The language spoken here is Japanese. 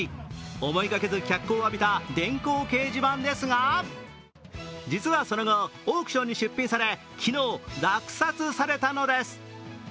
思いがけず、脚光を浴びた電光掲示板ですが実はその後、オークションに出品され昨日、落札されたのです。